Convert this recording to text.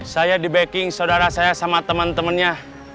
saya di backing saudara saya sama temen temennya